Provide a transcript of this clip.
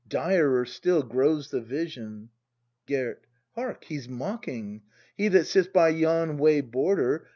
Direr still Grows the vision Gerd, Hark, he's mocking! He that sits by yon way border.